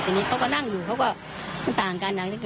ทีนี้เขาก็นั่งอยู่มันต่างกันนะ